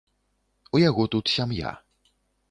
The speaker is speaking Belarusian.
У яго тут сям'я.